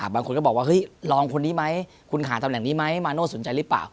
บางคนก็บอกว่าเฮ้ยลองคนนี้ไหมคุณขาดตำแหน่งนี้ไหมมาโน่สนใจหรือเปล่า